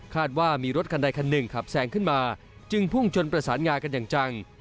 ว่ามีรถคันใดคันหนึ่งขับแซงขึ้นมาจึงพุ่งชนประสานงากันอย่างจัง